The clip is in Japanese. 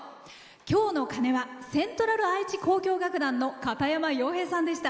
今日の鐘はセントラル愛知交響楽団の片山陽平さんでした。